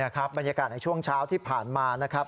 เนี่ยครับบรรยากาศในช่วงเช้าที่ผ่านมานะครับ